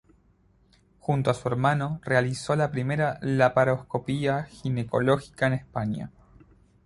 Junto a su hermano, realizó la primera laparoscopia ginecológica en España.